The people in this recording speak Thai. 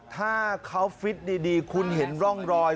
ถ้าเขาฟิตดีคุณเห็นร่องรอย